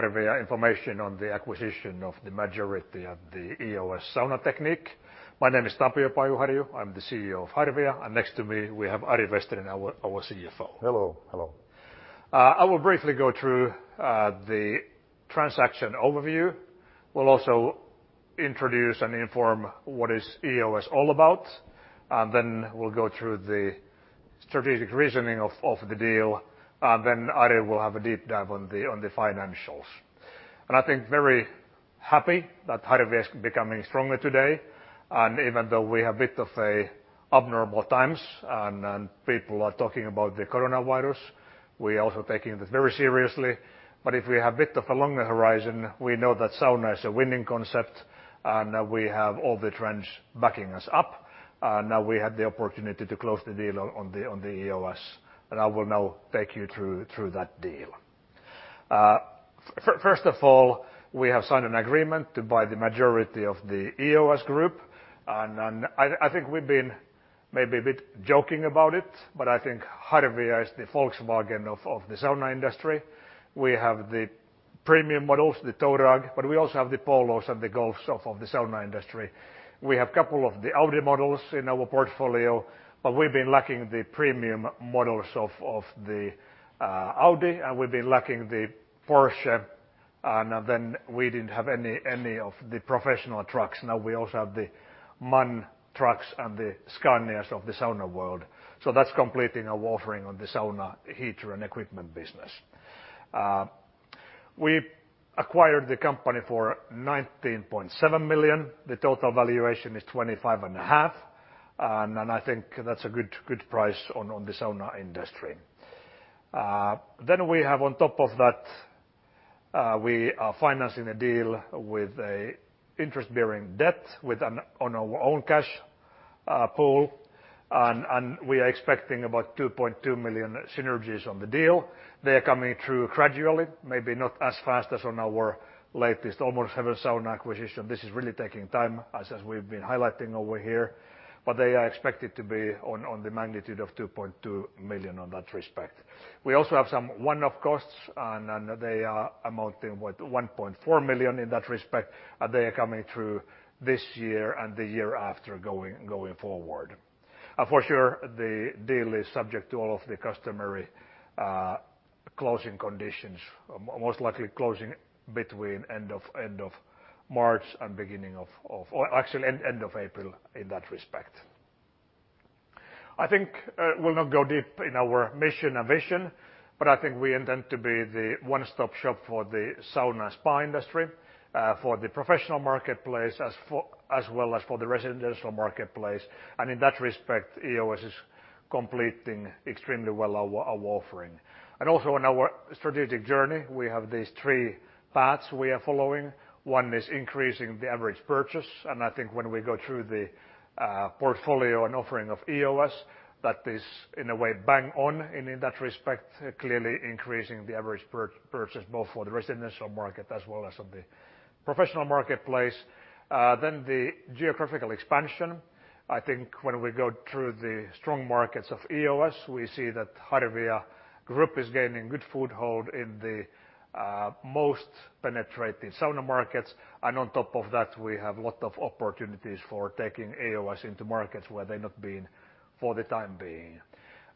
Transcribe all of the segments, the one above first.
Harvia information on the acquisition of the majority of the EOS Saunatechnik. My name is Tapio Pajuharju. I'm the CEO of Harvia, and next to me, we have Ari Vesterinen, our CFO. Hello. I will briefly go through the transaction overview. We'll also introduce and inform what is EOS all about. We'll go through the strategic reasoning of the deal. Ari will have a deep dive on the financials. I think very happy that Harvia is becoming stronger today. Even though we have a bit of abnormal times and people are talking about the coronavirus, we are also taking this very seriously. If we have a bit of a longer horizon, we know that sauna is a winning concept, and we have all the trends backing us up. We had the opportunity to close the deal on the EOS. I will now take you through that deal. First of all, we have signed an agreement to buy the majority of the EOS Group, and I think we've been maybe a bit joking about it, but I think Harvia is the Volkswagen of the sauna industry. We have the premium models, the Touareg, but we also have the Polos and the Golfs of the sauna industry. We have couple of the Audi models in our portfolio, but we've been lacking the premium models of the Audi, and we've been lacking the Porsche, and then we didn't have any of the professional trucks. Now we also have the MAN trucks and the Scania of the sauna world. That's completing our offering on the sauna heater and equipment business. We acquired the company for 19.7 million. The total valuation is 25.5 million, and I think that's a good price on the sauna industry. We have, on top of that, we are financing a deal with an interest-bearing debt on our own cash pool, and we are expecting about 2.2 million synergies on the deal. They are coming through gradually, maybe not as fast as on our latest Almost Heaven Saunas acquisition. This is really taking time, as we've been highlighting over here, but they are expected to be on the magnitude of 2.2 million on that respect. We also have some one-off costs, and they are amounting to 1.4 million in that respect. They are coming through this year and the year after, going forward. For sure, the deal is subject to all of the customary closing conditions, most likely closing between end of March and beginning of or actually end of April, in that respect. I think we'll not go deep in our mission and vision, but I think we intend to be the one-stop shop for the sauna and spa industry, for the professional marketplace, as well as for the residential marketplace, and in that respect, EOS is completing extremely well our offering. Also in our strategic journey, we have these three paths we are following. One is increasing the average purchase, and I think when we go through the portfolio and offering of EOS, that is, in a way, bang on in that respect, clearly increasing the average purchase both for the residential market as well as of the professional marketplace. The geographical expansion. I think when we go through the strong markets of EOS, we see that Harvia Group is gaining good foothold in the most penetrating sauna markets, and on top of that, we have lot of opportunities for taking EOS into markets where they've not been for the time being.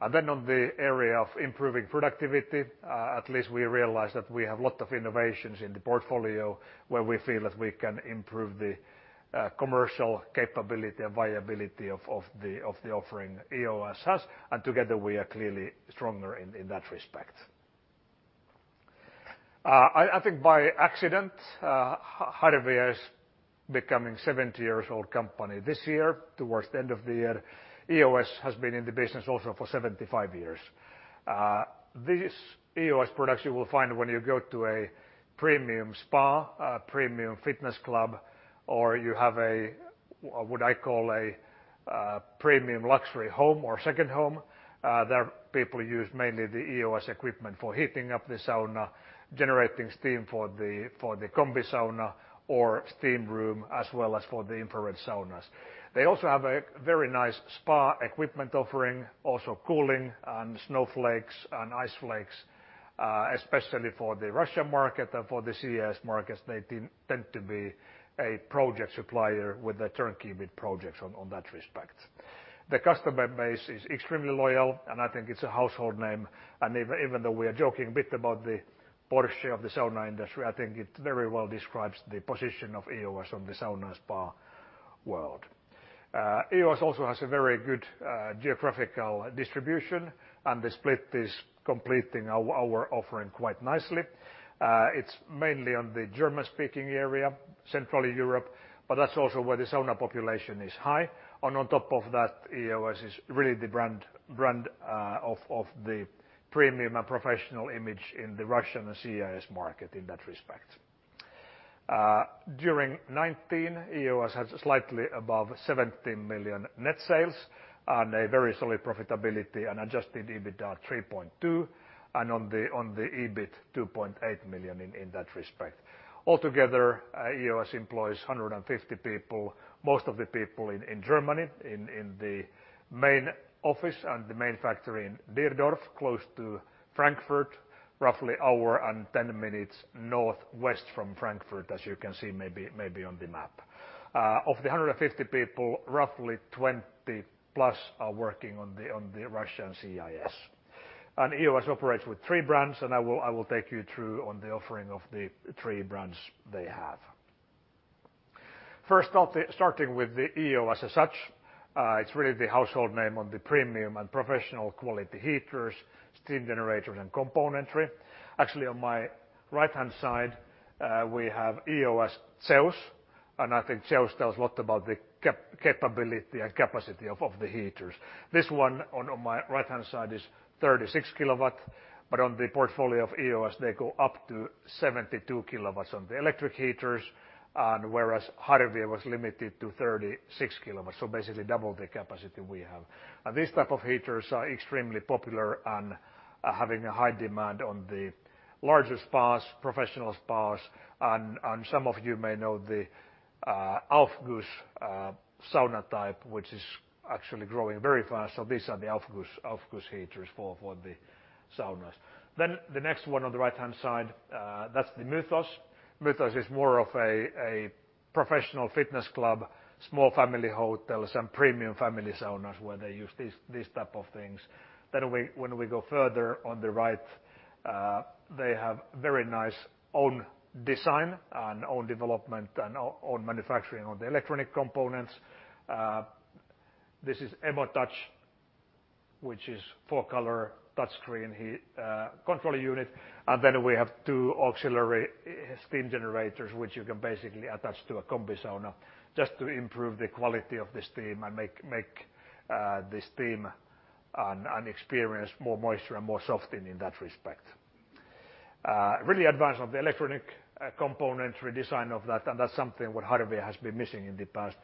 On the area of improving productivity, at least we realize that we have lot of innovations in the portfolio where we feel that we can improve the commercial capability and viability of the offering EOS has, and together we are clearly stronger in that respect. I think by accident, Harvia is becoming 70 years old company this year, towards the end of the year. EOS has been in the business also for 75 years. These EOS products you will find when you go to a premium spa, a premium fitness club, or you have a what I call a premium luxury home or second home. There, people use mainly the EOS equipment for heating up the sauna, generating steam for the combi sauna or steam room, as well as for the infrared saunas. They also have a very nice spa equipment offering, also cooling and snowflakes and ice flakes, especially for the Russia market and for the CIS markets. They tend to be a project supplier with a turnkey bid projects on that respect. The customer base is extremely loyal, and I think it's a household name, and even though we are joking a bit about the Porsche of the sauna industry, I think it very well describes the position of EOS on the sauna and spa world. EOS also has a very good geographical distribution, and the split is completing our offering quite nicely. It's mainly on the German-speaking area, Central Europe, but that's also where the sauna population is high, and on top of that, EOS is really the brand of the premium and professional image in the Russian and CIS market in that respect. During 2019, EOS has slightly above 17 million net sales and a very solid profitability, an adjusted EBITDA of 3.2 million and on the EBIT, 2.8 million in that respect. Altogether, EOS employs 150 people, most of the people in Germany in the main office and the main factory in Driedorf, close to Frankfurt, roughly one hour and 10 minutes northwest from Frankfurt, as you can see maybe on the map. Of the 150 people, roughly 20+ are working on the Russian CIS. EOS operates with three brands, and I will take you through on the offering of the three brands they have. First off, starting with the EOS as such, it's really the household name on the premium and professional quality heaters, steam generators, and componentry. Actually, on my right-hand side, we have EOS Zeus, and I think Zeus tells a lot about the capability and capacity of the heaters. This one on my right-hand side is 36 kilowatts, but on the portfolio of EOS, they go up to 72 kilowatts on the electric heaters and whereas Harvia was limited to 36 kilowatts, so basically double the capacity we have. These type of heaters are extremely popular and having a high demand on the larger spas, professional spas, and some of you may know the Aufguss sauna type, which is actually growing very fast. These are the Aufguss heaters for the saunas. The next one on the right-hand side, that's the Mythos. Mythos is more of a professional fitness club, small family hotel, some premium family saunas where they use these type of things. When we go further on the right, they have very nice own design and own development and own manufacturing on the electronic components. This is EmoTouch, which is four-color touchscreen control unit. We have two auxiliary steam generators, which you can basically attach to a combi sauna just to improve the quality of the steam and make the steam an experience more moisture and more soften in that respect. Really advanced on the electronic component redesign of that, and that's something what Harvia has been missing in the past.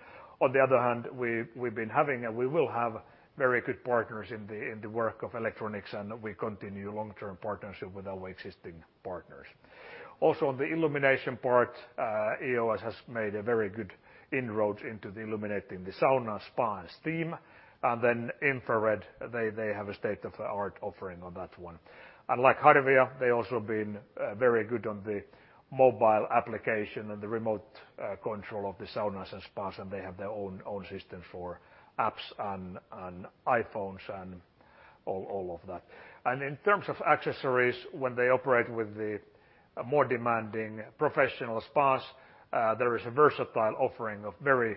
On the other hand, we will have very good partners in the work of electronics, and we continue long-term partnership with our existing partners. Also, on the illumination part, EOS has made a very good inroads into the illuminating the sauna, spa, and steam. Infrared, they have a state-of-the-art offering on that one. Like Harvia, they also been very good on the mobile application and the remote control of the saunas and spas, and they have their own system for apps and iPhones and all of that. In terms of accessories, when they operate with the more demanding professional spas, there is a versatile offering of very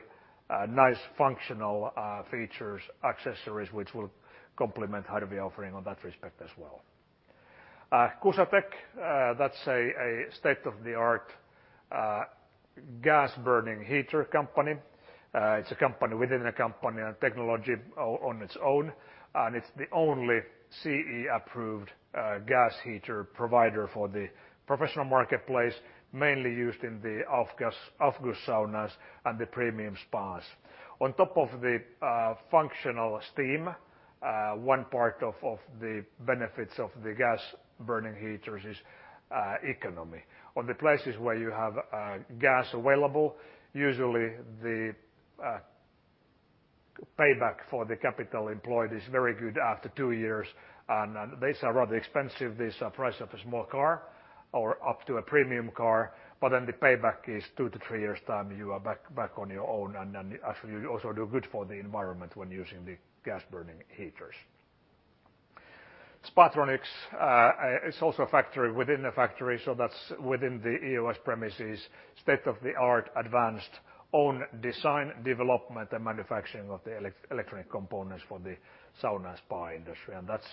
nice functional features, accessories, which will complement Harvia offering on that respect as well. Kusatek, that's a state-of-the-art gas-burning heater company. It's a company within a company and technology on its own, and it's the only CE-approved gas heater provider for the professional marketplace, mainly used in the Aufguss saunas and the premium spas. On top of the functional steam, one part of the benefits of the gas-burning heaters is economy. On the places where you have gas available, usually the payback for the capital employed is very good after two years. These are rather expensive. These are price of a small car or up to a premium car, but then the payback is two to three years' time, you are back on your own, and then actually you also do good for the environment when using the gas-burning heaters. Spatronic is also a factory within a factory, that's within the EOS premises, state-of-the-art advanced own design, development, and manufacturing of the electronic components for the sauna and spa industry, that's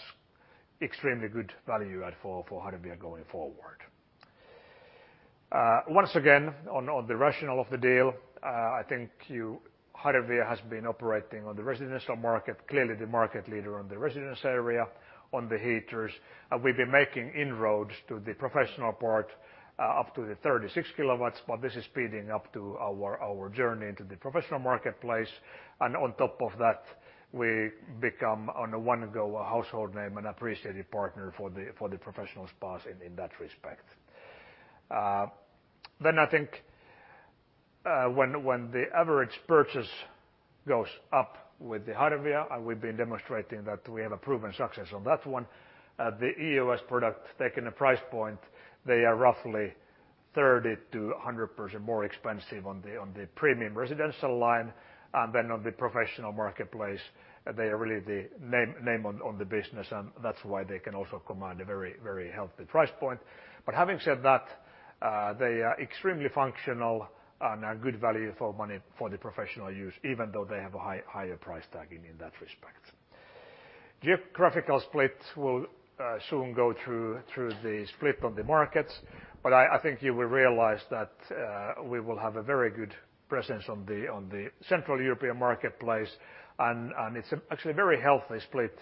extremely good value add for Harvia going forward. Once again, on the rationale of the deal, I think Harvia has been operating on the residential market, clearly the market leader on the residence area, on the heaters. We've been making inroads to the professional part up to the 36 kW, this is speeding up to our journey into the professional marketplace. On top of that, we become on a one-go a household name, an appreciated partner for the professional spas in that respect. I think when the average purchase goes up with the Harvia, and we've been demonstrating that we have a proven success on that one, the EOS product taking a price point, they are roughly 30%-100% more expensive on the premium residential line, and then on the professional marketplace, they are really the name on the business, and that's why they can also command a very healthy price point. Having said that, they are extremely functional and a good value for money for the professional use, even though they have a higher price tagging in that respect. Geographical split will soon go through the split on the markets. I think you will realize that we will have a very good presence on the Central European marketplace, and it's actually a very healthy split.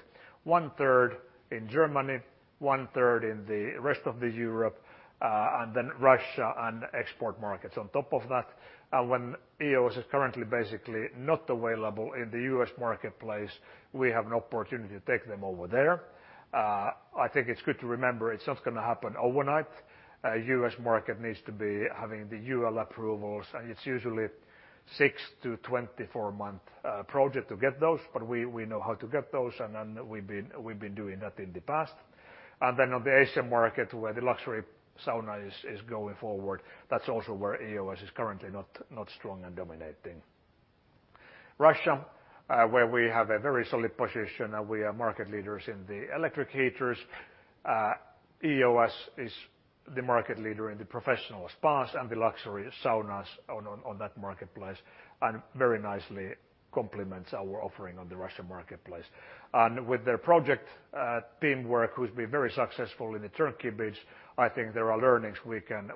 One-third in Germany, one-third in the rest of the Europe, and then Russia and export markets on top of that. When EOS is currently basically not available in the U.S. marketplace, we have an opportunity to take them over there. I think it's good to remember it's not going to happen overnight. U.S. market needs to be having the UL approvals, and it's usually six to 24-month project to get those, but we know how to get those, and then we've been doing that in the past. On the Asian market where the luxury sauna is going forward, that's also where EOS is currently not strong and dominating. Russia, where we have a very solid position, and we are market leaders in the electric heaters. EOS is the market leader in the professional spas and the luxury saunas on that marketplace, and very nicely complements our offering on the Russian marketplace. With their project teamwork who's been very successful in the turnkey bids, I think there are learnings we can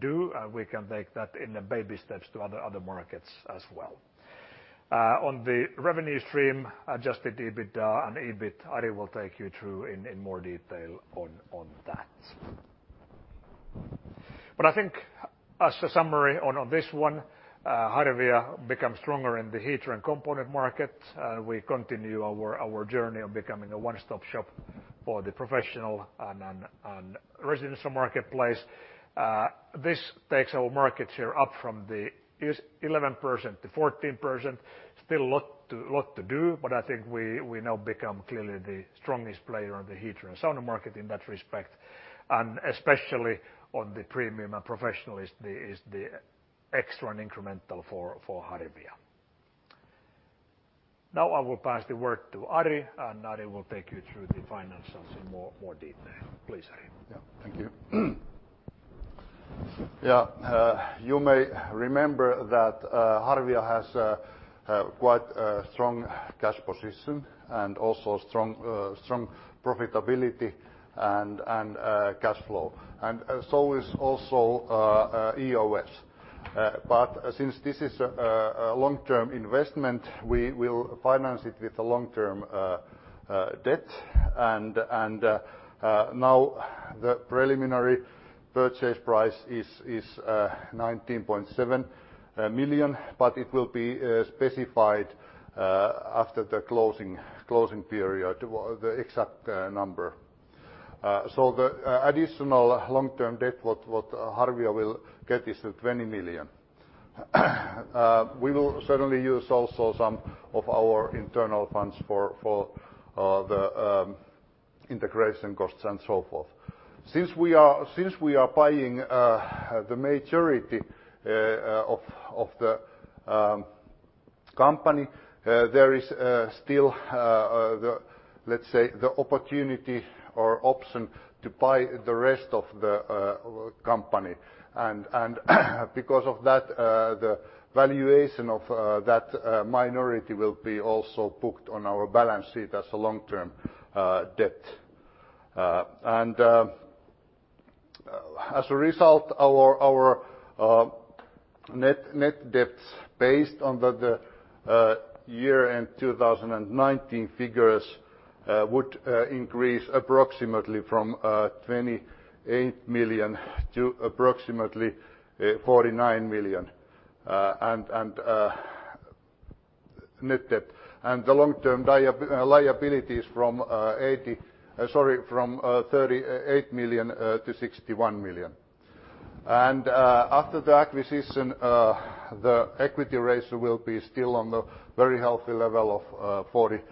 do, and we can take that in the baby steps to other markets as well. On the revenue stream, adjusted EBITDA and EBIT, Ari will take you through in more detail on that. I think as a summary on this one, Harvia becomes stronger in the heater and component market. We continue our journey on becoming a one-stop shop for the professional and residential marketplace. This takes our market share up from the 11% to 14%. Still a lot to do, but I think we now become clearly the strongest player on the heater and sauna market in that respect, and especially on the premium and professional is the extra and incremental for Harvia. Now I will pass the word to Ari, and Ari will take you through the financials in more detail. Please, Ari. Thank you. You may remember that Harvia has quite a strong cash position and also strong profitability and cash flow, and so is also EOS. Since this is a long-term investment, we will finance it with a long-term debt. Now the preliminary purchase price is 19.7 million, but it will be specified after the closing period, the exact number. The additional long-term debt, what Harvia will get, is 20 million. We will certainly use also some of our internal funds for the integration costs and so forth. Since we are buying the majority of the company, there is still, let's say, the opportunity or option to buy the rest of the company. Because of that, the valuation of that minority will be also booked on our balance sheet as a long-term debt. As a result, our net debt based on the year-end 2019 figures would increase approximately from 28 million to approximately 49 million net debt. The long-term liabilities from 38 million to 61 million. After the acquisition, the equity ratio will be still on the very healthy level of 47%,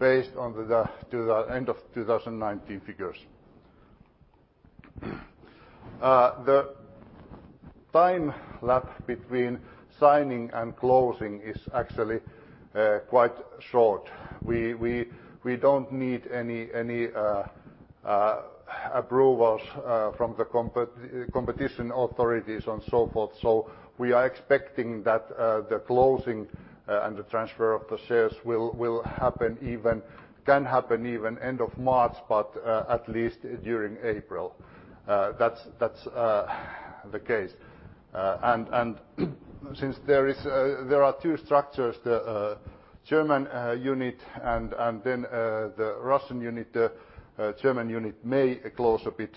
based on the end of 2019 figures. The time lapse between signing and closing is actually quite short. We don't need any approvals from the competition authorities and so forth. We are expecting that the closing and the transfer of the shares can happen even end of March but at least during April. That's the case. Since there are two structures, the German unit and then the Russian unit, the German unit may close a bit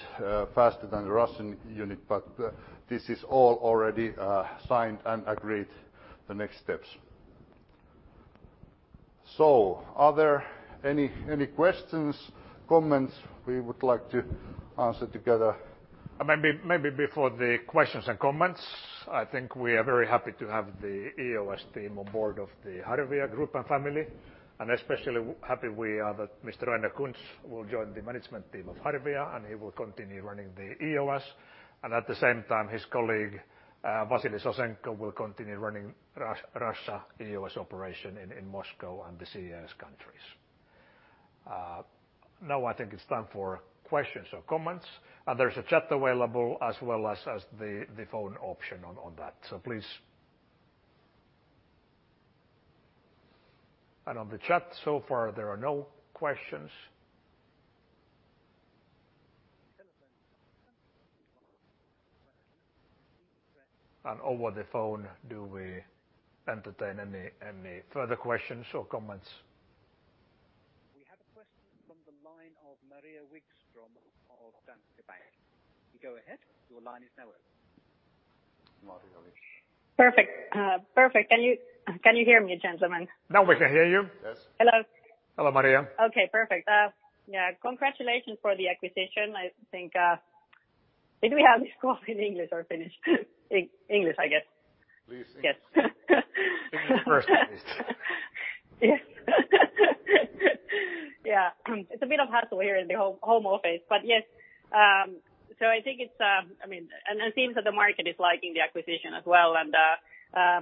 faster than the Russian unit, but this is all already signed and agreed, the next steps. Are there any questions, comments we would like to answer together? Maybe before the questions and comments, I think we are very happy to have the EOS team on board of the Harvia Group and family. Especially happy we are that Mr. Rainer Kunz will join the management team of Harvia. He will continue running the EOS. At the same time, his colleague, Vasilij Sosenkov, will continue running EOS Russia operation in Moscow and the CIS countries. I think it's time for questions or comments, there's a chat available as well as the phone option on that. Please. On the chat so far, there are no questions. Telephone. Over the phone, do we entertain any further questions or comments? We have a question from the line of Maria Wikstrom of Danske Bank. Go ahead, your line is now open. Maria Wikstrom. Perfect. Can you hear me, gentlemen? Now we can hear you. Yes. Hello. Hello, Maria. Okay, perfect. Yeah, congratulations for the acquisition, I think. Did we have this call in English or Finnish? English, I guess. Please. Yes. English first, at least. Yeah. It's a bit of hassle here in the home office, but yes. It seems that the market is liking the acquisition as well.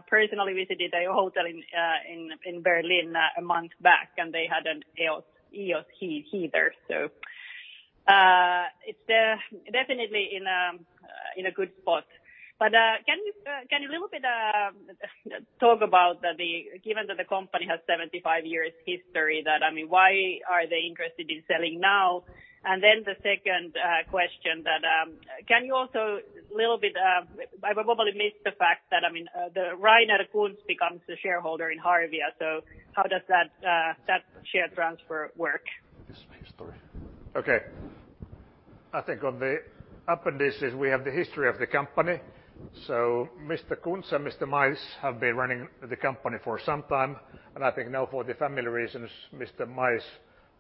Personally visited a hotel in Berlin a month back, and they had an EOS heater. It's definitely in a good spot. Can you little bit, talk about given that the company has 75 years history that, why are they interested in selling now? The second question that, can you also little bit, I probably missed the fact that, the Rainer Kunz becomes a shareholder in Harvia. How does that share transfer work? This is my story. Okay. I think on the appendices, we have the history of the company. Mr. Kunz and Mr. Mais have been running the company for some time. I think now for the family reasons, Mr.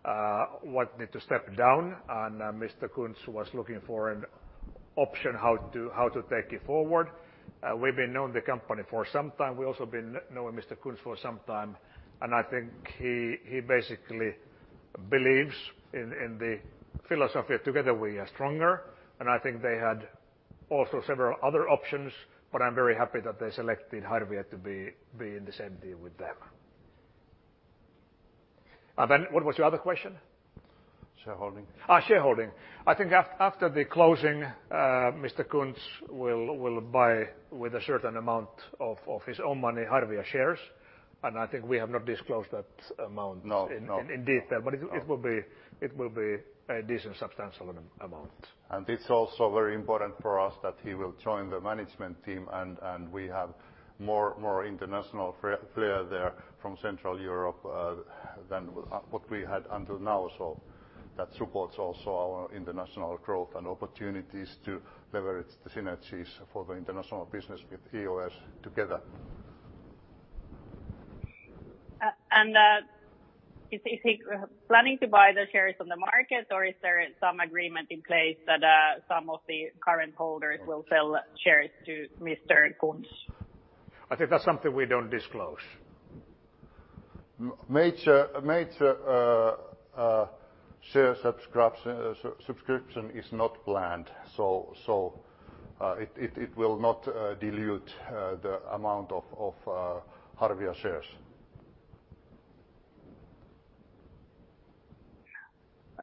Mais wanted to step down. Mr. Kunz was looking for an option how to take it forward. We've been known the company for some time. We've also been knowing Mr. Kunz for some time. I think he basically believes in the philosophy, together we are stronger. I think they had also several other options, but I'm very happy that they selected Harvia to be in the same deal with them. What was your other question? Shareholding. Shareholding. I think after the closing, Mr. Kunz will buy with a certain amount of his own money, Harvia shares, and I think we have not disclosed that amount. No in detail, but it will be a decent substantial amount. It's also very important for us that he will join the management team, and we have more international player there from Central Europe, than what we had until now. That supports also our international growth and opportunities to leverage the synergies for the international business with EOS together. Is he planning to buy the shares on the market or is there some agreement in place that some of the current holders will sell shares to Mr. Kunz? I think that's something we don't disclose. Major share subscription is not planned, so it will not dilute the amount of Harvia shares.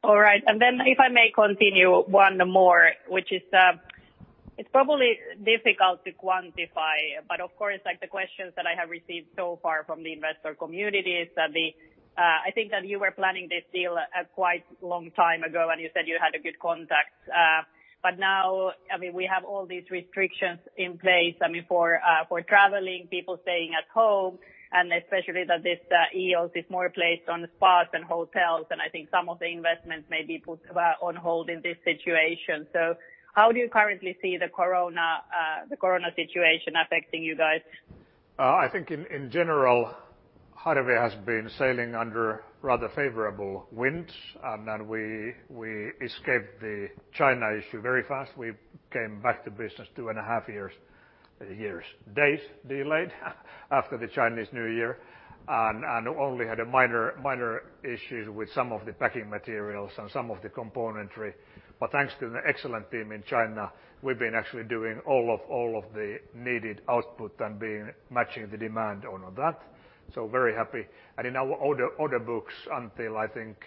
All right. If I may continue one more, which is, it's probably difficult to quantify, but of course, like the questions that I have received so far from the investor community is that the, I think that you were planning this deal quite long time ago, and you said you had a good contact. Now, we have all these restrictions in place, for traveling, people staying at home, and especially that this EOS is more placed on the spas than hotels, and I think some of the investments may be put on hold in this situation. How do you currently see the corona situation affecting you guys? I think in general, Harvia has been sailing under rather favorable winds, we escaped the China issue very fast. We came back to business two and a half years, date delayed after the Chinese New Year, and only had a minor issues with some of the packing materials and some of the componentry. Thanks to an excellent team in China, we've been actually doing all of the needed output and been matching the demand on that. Very happy. In our order books until I think,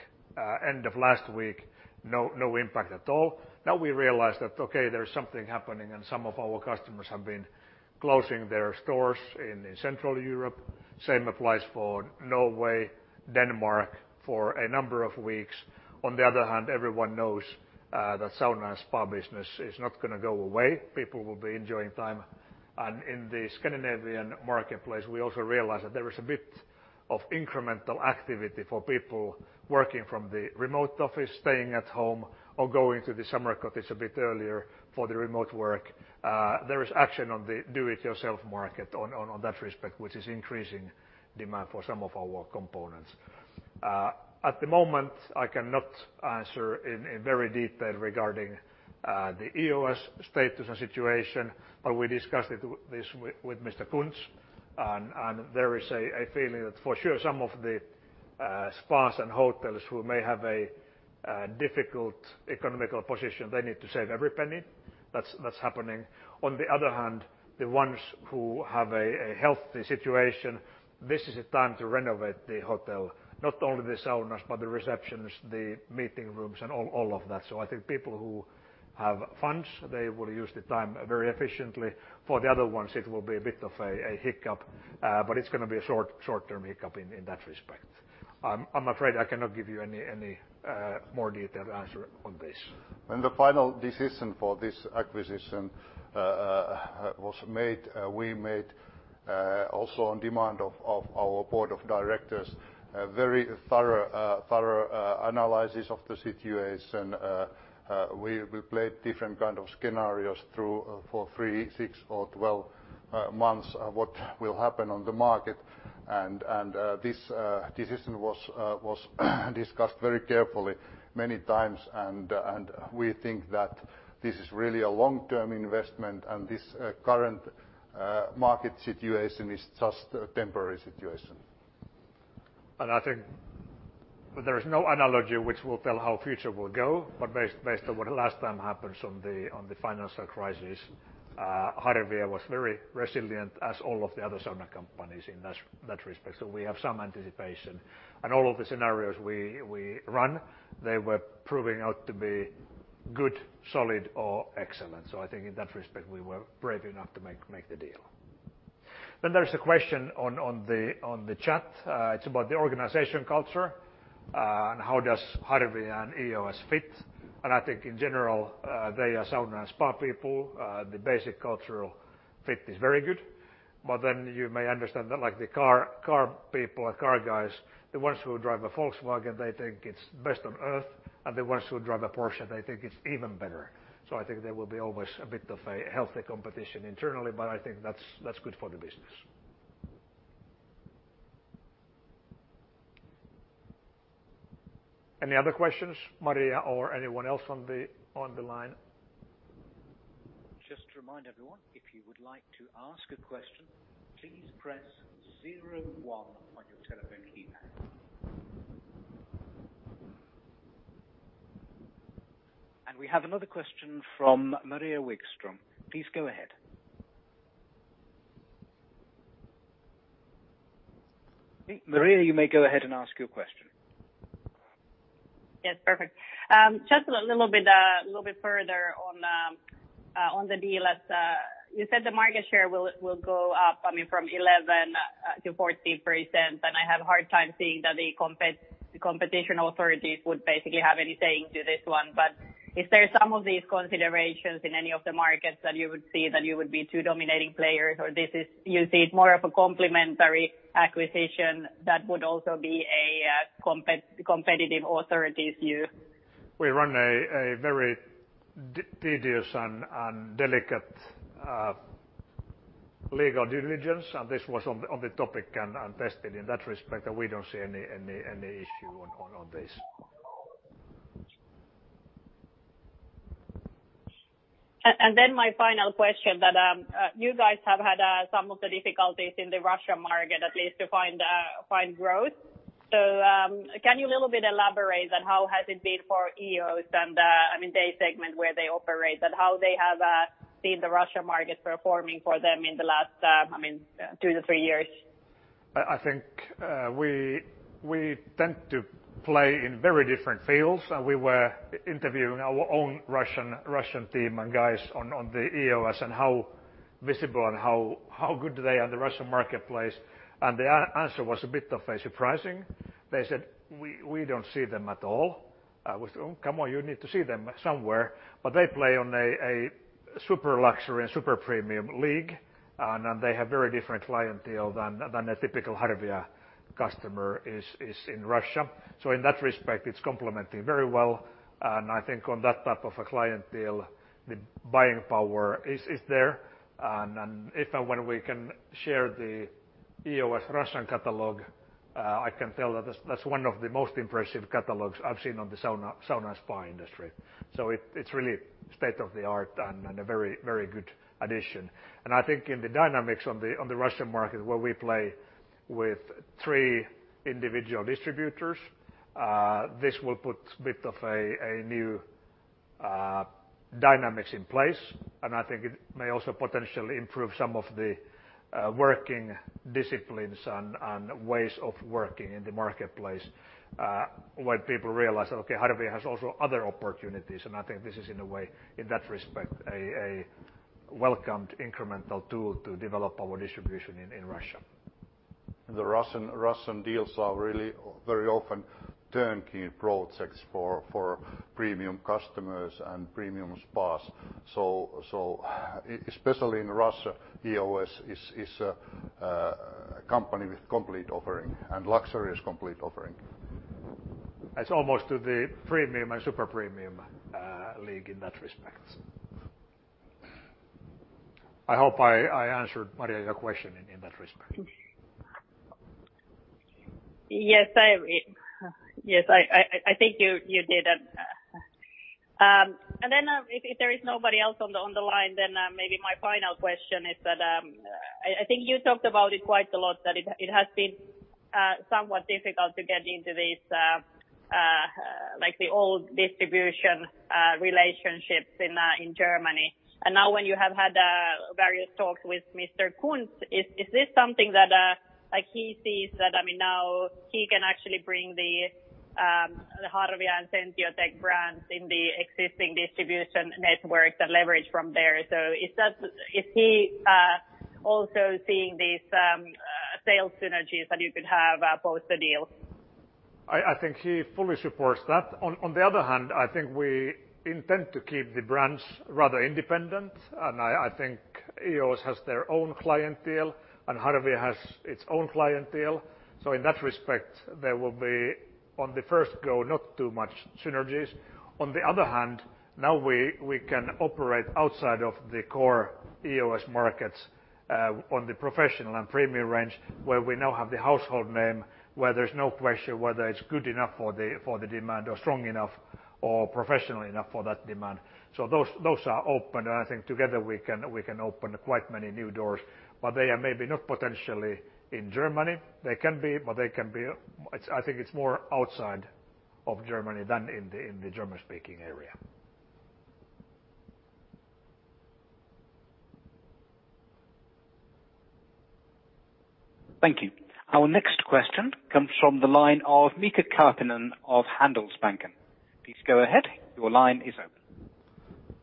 end of last week, no impact at all. Now we realize that, okay, there's something happening and some of our customers have been closing their stores in Central Europe. Same applies for Norway, Denmark for a number of weeks. On the other hand, everyone knows that sauna and spa business is not going to go away. People will be enjoying time. In the Scandinavian marketplace, we also realize that there is a bit of incremental activity for people working from the remote office, staying at home or going to the summer cottage a bit earlier for the remote work. There is action on the do it yourself market on that respect, which is increasing demand for some of our components. At the moment, I cannot answer in very detail regarding the EOS status and situation, but we discussed this with Mr. Kunz and there is a feeling that for sure some of the spas and hotels who may have a difficult economical position, they need to save every penny that's happening. On the other hand, the ones who have a healthy situation, this is a time to renovate the hotel, not only the saunas, but the receptions, the meeting rooms and all of that. I think people who have funds, they will use the time very efficiently. For the other ones, it will be a bit of a hiccup, but it's going to be a short-term hiccup in that respect. I'm afraid I cannot give you any more detailed answer on this. When the final decision for this acquisition was made, we made, also on demand of our board of directors, a very thorough analysis of the situation. We played different kind of scenarios through for three, six or 12 months, what will happen on the market. This decision was discussed very carefully many times. We think that this is really a long-term investment and this current market situation is just a temporary situation. I think there is no analogy which will tell how future will go, but based on what last time happens on the financial crisis, Harvia was very resilient as all of the other sauna companies in that respect. We have some anticipation. All of the scenarios we run, they were proving out to be good, solid or excellent. I think in that respect, we were brave enough to make the deal. There's a question on the chat. It's about the organization culture, and how does Harvia and EOS fit. I think in general, they are sauna and spa people. The basic cultural fit is very good. You may understand that like the car people or car guys, the ones who drive a Volkswagen, they think it's best on Earth, and the ones who drive a Porsche, they think it's even better. I think there will be always a bit of a healthy competition internally, but I think that's good for the business. Any other questions, Maria or anyone else on the line? Just to remind everyone, if you would like to ask a question, please press zero one on your telephone keypad. We have another question from Maria Wikström. Please go ahead. Maria, you may go ahead and ask your question. Yes, perfect. Just a little bit further on the deal. You said the market share will go up from 11%-14%. I have hard time seeing that the competition authorities would basically have any say into this one. Is there some of these considerations in any of the markets that you would see that you would be two dominating players, or you see it more of a complementary acquisition that would also be a competitive authority's view? We run a very tedious and delicate legal diligence, and this was on the topic and tested in that respect, and we don't see any issue on this. My final question that you guys have had some of the difficulties in the Russia market, at least to find growth. Can you a little bit elaborate on how has it been for EOS and, I mean, they segment where they operate, and how they have seen the Russia market performing for them in the last, I mean, two to three years? I think we tend to play in very different fields, and we were interviewing our own Russian team and guys on the EOS and how visible and how good they are on the Russian marketplace, and the answer was a bit of a surprising. They said, "We don't see them at all." I was, "Come on, you need to see them somewhere." They play on a super luxury and super premium league, and they have very different clientele than a typical Harvia customer is in Russia. In that respect, it's complementing very well, and I think on that type of a clientele, the buying power is there. If and when we can share the EOS Russian catalog, I can tell that that's one of the most impressive catalogs I've seen on the sauna and spa industry. It's really state-of-the-art and a very good addition. I think in the dynamics on the Russian market where we play with three individual distributors, this will put bit of a new dynamics in place, I think it may also potentially improve some of the working disciplines and ways of working in the marketplace, where people realize that, okay, Harvia has also other opportunities, I think this is in a way, in that respect, a welcomed incremental tool to develop our distribution in Russia. The Russian deals are really very often turnkey projects for premium customers and premium spas. Especially in Russia, EOS is a company with complete offering and luxurious complete offering. It's almost to the premium and super premium league in that respect. I hope I answered, Maria, your question in that respect. Yes, I think you did. If there is nobody else on the line, then maybe my final question is that, I think you talked about it quite a lot, that it has been somewhat difficult to get into this, the old distribution relationships in Germany. When you have had various talks with Mr. Kunz, is this something that he sees that, I mean, now he can actually bring the Harvia and Sentiotec brands in the existing distribution networks and leverage from there. Is he also seeing these sales synergies that you could have post the deal? I think he fully supports that. On the other hand, I think we intend to keep the brands rather independent, and I think EOS has their own clientele and Harvia has its own clientele. In that respect, there will be, on the first go, not too much synergies. On the other hand, now we can operate outside of the core EOS markets, on the professional and premium range, where we now have the household name, where there's no question whether it's good enough for the demand or strong enough or professional enough for that demand. Those are open, and I think together we can open quite many new doors, but they are maybe not potentially in Germany. They can be, but I think it's more outside of Germany than in the German-speaking area. Thank you. Our next question comes from the line of Mika Karppinen of Handelsbanken. Please go ahead. Your line is open.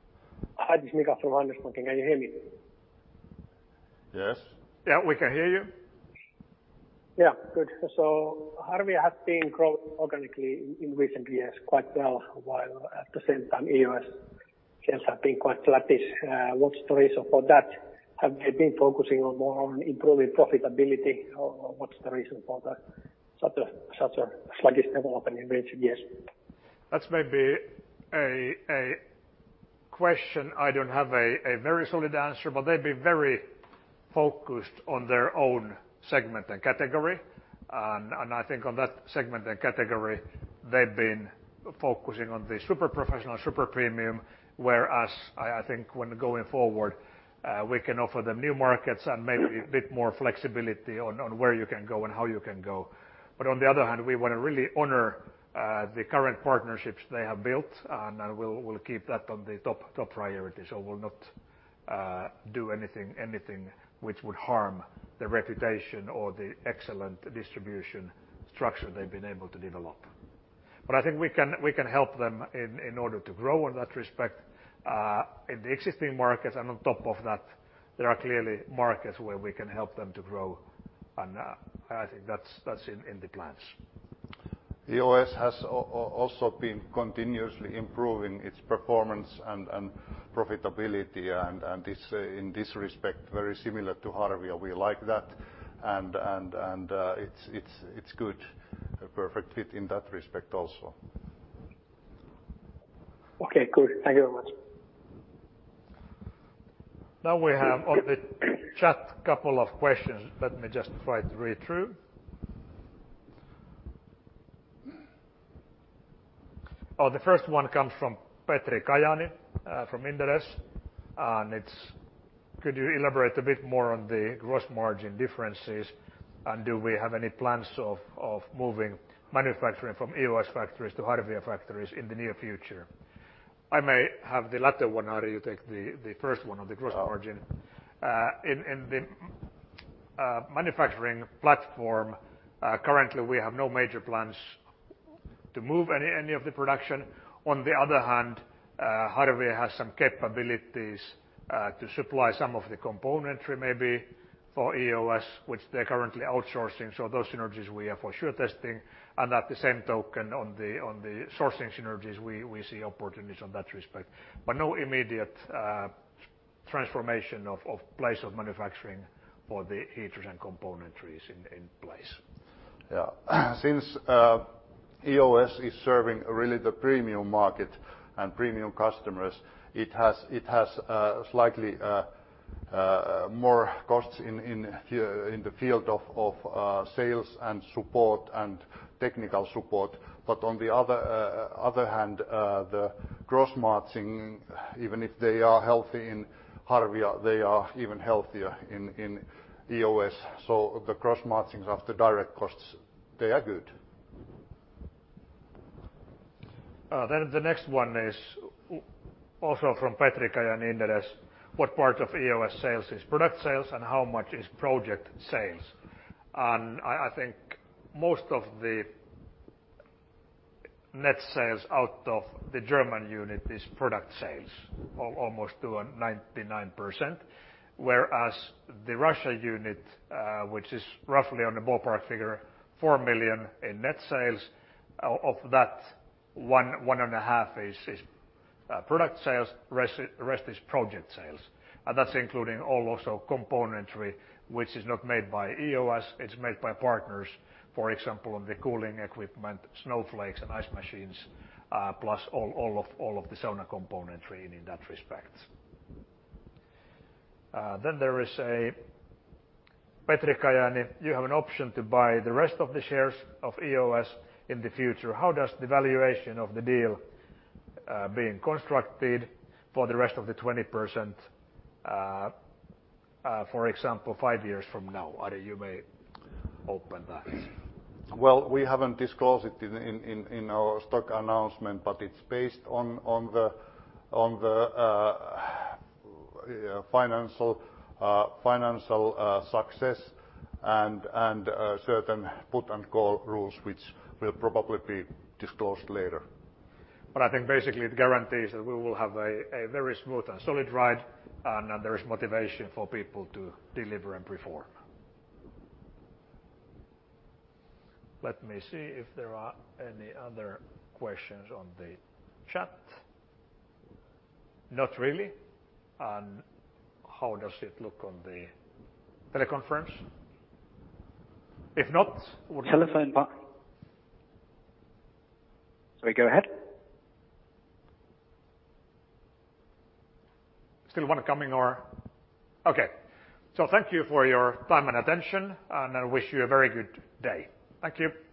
Hi, this is Mika from Handelsbanken. Can you hear me? Yes. Yeah, we can hear you. Yeah. Good. Harvia has been growing organically in recent years quite well, while at the same time EOS sales have been quite flattish. What's the reason for that? Have they been focusing more on improving profitability, or what's the reason for such a sluggish development in recent years? That's maybe a question I don't have a very solid answer. They've been very focused on their own segment and category. I think on that segment and category, they've been focusing on the super professional, super premium, whereas I think when going forward, we can offer them new markets and maybe a bit more flexibility on where you can go and how you can go. On the other hand, we want to really honor the current partnerships they have built, and we'll keep that on the top priority. We'll not do anything which would harm the reputation or the excellent distribution structure they've been able to develop. I think we can help them in order to grow in that respect, in the existing markets. On top of that, there are clearly markets where we can help them to grow. I think that's in the plans. EOS has also been continuously improving its performance and profitability and in this respect, very similar to Harvia. We like that. It's good, a perfect fit in that respect also. Okay, good. Thank you very much. Now we have on the chat a couple of questions. Let me just try to read through. The first one comes from Petri Kajaani from Inderes, and it's: could you elaborate a bit more on the gross margin differences, and do we have any plans of moving manufacturing from EOS factories to Harvia factories in the near future? I may have the latter one, Ari, you take the first one on the gross margin. In the manufacturing platform, currently, we have no major plans to move any of the production. On the other hand, Harvia has some capabilities to supply some of the componentry maybe for EOS, which they're currently outsourcing. Those synergies we are for sure testing. At the same token, on the sourcing synergies, we see opportunities on that respect. No immediate transformation of place of manufacturing for the heaters and componentries in place. Yeah. Since EOS is serving really the premium market and premium customers, it has slightly more costs in the field of sales and support and technical support. On the other hand, the gross margin, even if they are healthy in Harvia, they are even healthier in EOS. The gross margins of the direct costs, they are good. The next one is also from Petri Kajaani, Inderes: what part of EOS sales is product sales and how much is project sales? I think most of the net sales out of the German unit is product sales, almost to a 99%. Whereas the EOS Russia unit, which is roughly on the ballpark figure, 4 million in net sales. Of that, 1 and a half is product sales, rest is project sales. That's including also componentry, which is not made by EOS, it's made by partners, for example, on the cooling equipment, snowflakes and ice machines, plus all of the sauna componentry in that respect. There is a Petri Kajaani: you have an option to buy the rest of the shares of EOS in the future. How does the valuation of the deal being constructed for the rest of the 20%, for example, five years from now? Ari, you may open that. Well, we haven't disclosed it in our stock announcement, but it's based on the financial success and certain put and call rules, which will probably be disclosed later. I think basically it guarantees that we will have a very smooth and solid ride, and there is motivation for people to deliver and perform. Let me see if there are any other questions on the chat. Not really. How does it look on the teleconference? Telephone part. Sorry, go ahead. Still one coming, or okay? Thank you for your time and attention, and I wish you a very good day. Thank you.